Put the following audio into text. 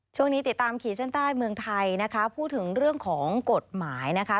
ช่วงนี้ติดตามขีดเส้นใต้เมืองไทยนะคะพูดถึงเรื่องของกฎหมายนะคะ